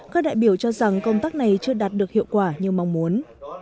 các đại biểu cho rằng công tác này chưa đạt được hiệu quả như mong muốn